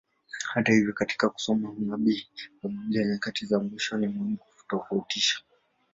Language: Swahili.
Hata hivyo, katika kusoma unabii wa Biblia nyakati za mwisho, ni muhimu kutofautisha.